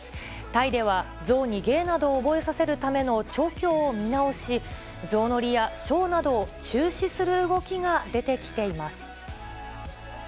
タイではゾウに芸などを覚えさせるための調教を見直し、ゾウ乗りやショーなどを中止する動きが出てきています。